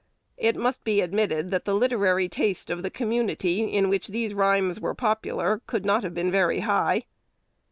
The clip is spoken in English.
It must be admitted that the literary taste of the community in which these rhymes were popular could not have been very high.